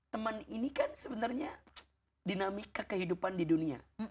teman ini kan sebenarnya dinamika kehidupan di dunia